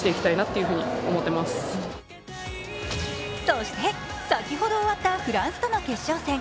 そして先ほど終わったフランスとの決勝戦。